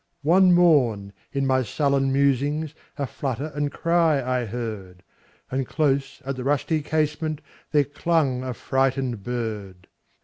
One morn, in my sullen musings,A flutter and cry I heard; And close at the rusty casementThere clung a frightened bird.